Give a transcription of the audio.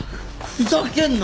ふざけんな！